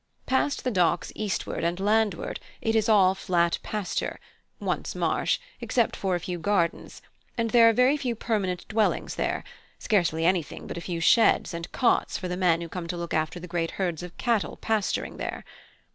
Past the Docks eastward and landward it is all flat pasture, once marsh, except for a few gardens, and there are very few permanent dwellings there: scarcely anything but a few sheds, and cots for the men who come to look after the great herds of cattle pasturing there.